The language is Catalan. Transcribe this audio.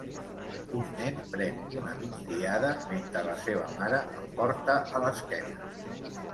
Un nen pren una migdiada mentre la seva mare el porta a l'esquena